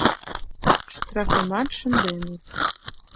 Штрафымат шынденыт.